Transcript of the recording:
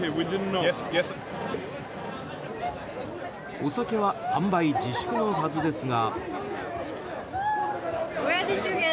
お酒は販売自粛のはずですが。